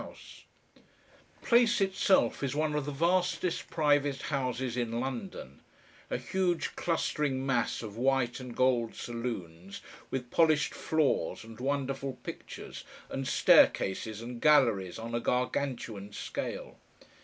The place itself is one of the vastest private houses in London, a huge clustering mass of white and gold saloons with polished floors and wonderful pictures, and staircases and galleries on a Gargantuan scale.